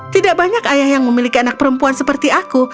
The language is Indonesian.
tidak banyak ayah yang memiliki anak perempuan seperti aku